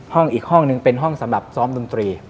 ห้องอีกห้องหนึ่งเป็นห้องสำหรับซ้อมดนตรี